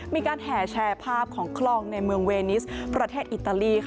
มีการแห่แชร์ภาพของคลองในเมืองเวนิสประเทศอิตาลี